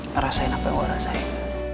ngerasain apa yang gue rasain